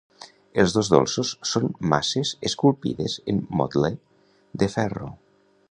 Els dos dolços són masses esculpides en motle de ferro.